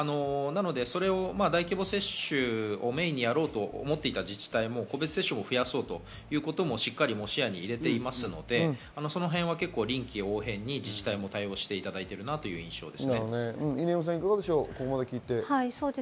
大規模接種をメインにやろうと思っていた自治体も個別接種を増やそうと、しっかり視野に入れていますのでそのへんは臨機応変に自治体も対応していただいているなという印象です。